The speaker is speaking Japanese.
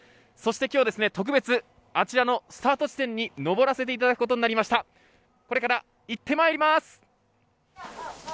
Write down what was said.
そして今日、特別あちらのスタート地点に登らせていただくことになりました、これからいってまいります。